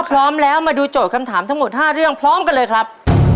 พร้อมแล้วมาดูโจทย์คำถามทั้งหมด๕เรื่องพร้อมกันเลยครับ